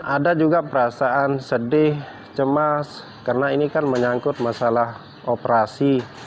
ada juga perasaan sedih cemas karena ini kan menyangkut masalah operasi